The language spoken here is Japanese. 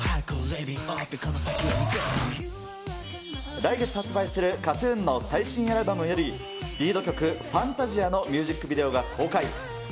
来月発売するＫＡＴーＴＵＮの最新アルバムより、リード曲、ファンタジアのミュージックビデオが公開。